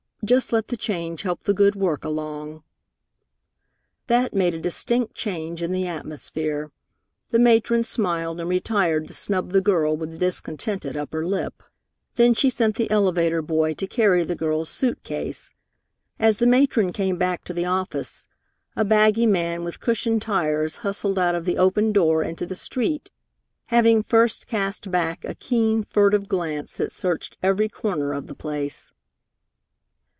"Just let the change help the good work along." That made a distinct change in the atmosphere. The matron smiled, and retired to snub the girl with the discontented upper lip. Then she sent the elevator boy to carry the girl's suit case. As the matron came back to the office, a baggy man with cushioned tires hustled out of the open door into the street, having first cast back a keen, furtive glance that searched every corner of the place.